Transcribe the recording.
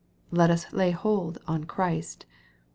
Let us lay hold on Christ.